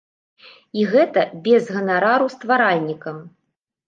І гэта без ганарару стваральнікам.